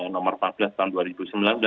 nomor empat belas tahun dua ribu sembilan belas